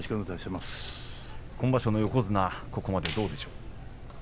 今場所の横綱ここまでどうでしょうか。